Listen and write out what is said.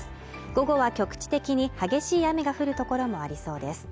午後は局地的に激しい雨が降る所もありそうです